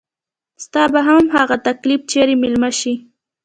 ستا به هم هغه تکليف چري ميلمه شي